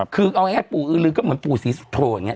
คือเอาแอดปู่อือลือก็เหมือนปู่สีโถ่อย่างเงี้ย